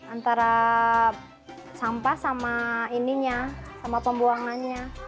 antara sampah sama ininya sama pembuangannya